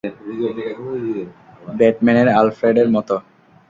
ব্যাটম্যানের আলফ্রেডের মতো।